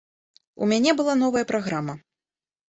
У мяне была новая праграма.